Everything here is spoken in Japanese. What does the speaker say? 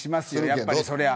やっぱりそれは。